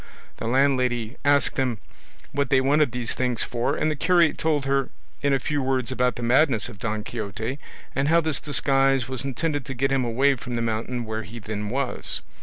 The landlady asked them what they wanted these things for, and the curate told her in a few words about the madness of Don Quixote, and how this disguise was intended to get him away from the mountain where he then was.